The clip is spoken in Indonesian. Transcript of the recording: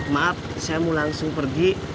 maaf saya mau langsung pergi